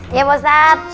iya pak ustadz